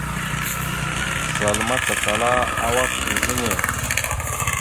Zal macala awak a henne.